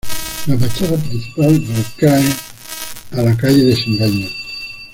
La fachada principal recae a la calle Desengaño.